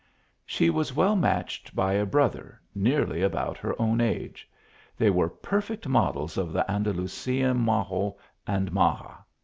She was well matched by a brother, nearly about her own age; they were perfect models of the An dalusian majo and maja.